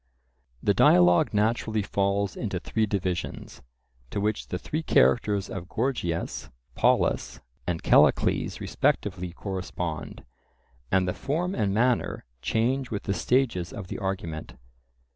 The dialogue naturally falls into three divisions, to which the three characters of Gorgias, Polus, and Callicles respectively correspond; and the form and manner change with the stages of the argument.